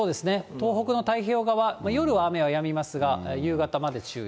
東北の太平洋側、夜は雨はやみますが、夕方まで注意。